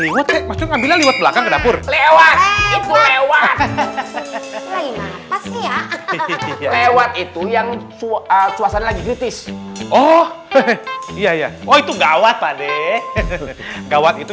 lewat lewat lewat itu yang suara suara oh iya iya itu gawat gawat itu